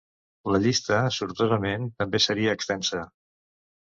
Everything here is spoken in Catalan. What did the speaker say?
La llista, sortosament, també seria extensa.